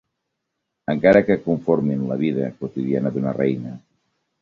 Encara que conformin la vida quotidiana d'una reina.